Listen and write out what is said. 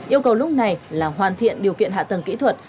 yêu cầu lúc này là hoàn thiện điều kiện hạ tầng kỹ thuật